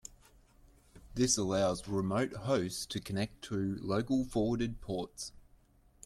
This allows remote hosts to connect to local forwarded ports.